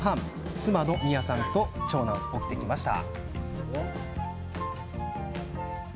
妻のみやさんと長男が起きてきました。